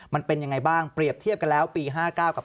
มันเป็นยังไงบ้างเปรียบเทียบกันแล้วปี๕๙กับ